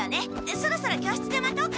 そろそろ教室で待とうか。